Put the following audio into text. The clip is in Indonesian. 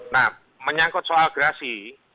nah menyangkut soal grasi